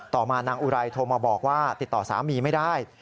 ต่อมานางอุไรโทรมาบอกว่าติดต่อสามีไม่ได้